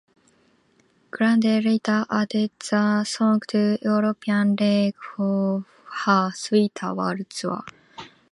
Grande later added the song to the European leg of her Sweetener World Tour.